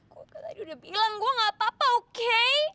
gua tadi udah bilang gua gak apa apa oke